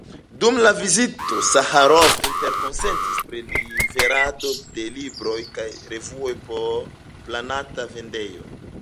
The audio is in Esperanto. Dum la vizito Saĥarov interkonsentis pri liverado de libroj kaj revuoj por planata vendejo.